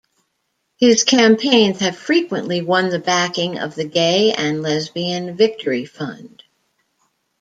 His campaigns have frequently won the backing of the Gay and Lesbian Victory Fund.